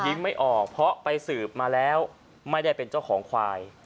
ไม่ออกเพราะไปสืบมาแล้วไม่ได้เป็นเจ้าของควาย